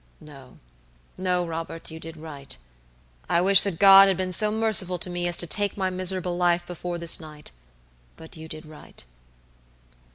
"No, no, Robert, you did right; I wish that God had been so merciful to me as to take my miserable life before this night; but you did right."